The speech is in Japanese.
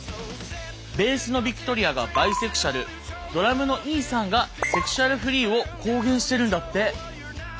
ベースのヴィクトリアがバイセクシュアルドラムのイーサンがセクシュアルフリーを公言してるんだって。